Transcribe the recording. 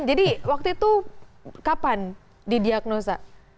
jadi waktu itu kapan didiagnosa